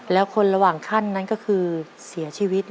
แล้วคนระหว่างขั้นนั้นก็คือเสียชีวิต